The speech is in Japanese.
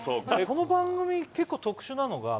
この番組結構特殊なのが。